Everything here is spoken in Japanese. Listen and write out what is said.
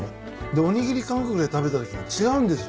でおにぎり感覚で食べたときに違うんです。